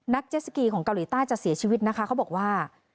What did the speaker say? นักเจ็สสิกี้เกาหลีใต้จะเสียชีวิตเขาบอกว่า